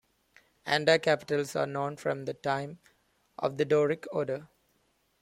Anta capitals are known from the time of the Doric order.